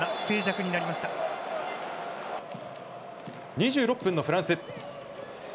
２６分のフランス。